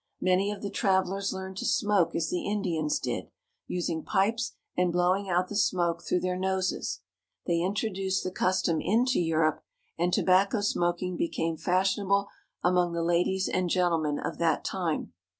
Many of the travelers learned to smoke as the Indians did, using pipes, and blowing out the smoke through their noses. They introduced the custom into Europe, and tobacco smoking became fashionable among the ladies and gentlemen of that time.